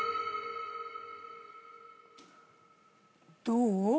どう？